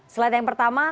slide yang pertama